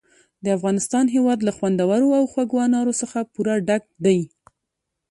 د افغانستان هېواد له خوندورو او خوږو انارو څخه پوره ډک دی.